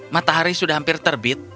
matahari sudah hampir terbit